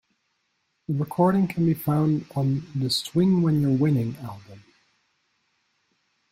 The recording can be found on the "Swing When You're Winning" album.